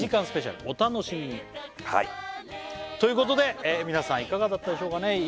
スペシャルお楽しみにということで皆さんいかがだったでしょうかね？